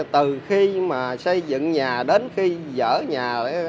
từ khi xây dựng nhà đến khi dở nhà